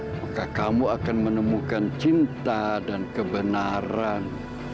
maka kamu akan menemukan cinta dan kebenaran